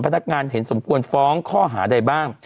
พนักงานเห็นสมควรฟ้องข้อหาใดบ้าง